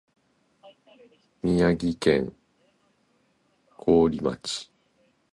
宮城県亘理町